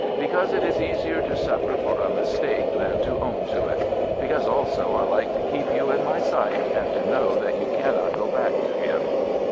Because it is easier to suffer for a mistake than to own to it. Because also I like to keep you in my sight, and to know that you cannot go back to him."